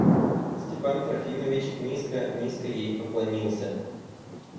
Степан Трофимович низко, низко ей поклонился.